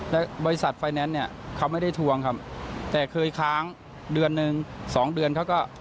และบริษัทไฟแนนซ์เนี่ยเขาไม่ได้ทวงครับแต่เคยค้างเดือนหนึ่งสองเดือนเขาก็